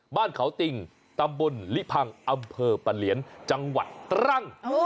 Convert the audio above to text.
บ้านเขาติ่งตำบลลิพังอำเภอปะเหลียนจังหวัดตรัง